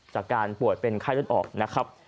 จากการป่วยเป็นไข้เลือดออกนะครับ